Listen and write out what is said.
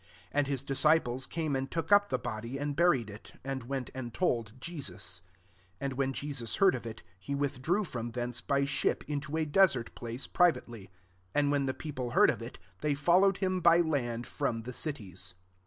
And his disciples came and took up the body, and burkd it: and went and told Jesus). IS And when Jesus heard o/ity he with drew /rom thence by ship into a desert place {urivately: and when the people heard of it, they followed him by land from the cities.